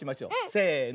せの。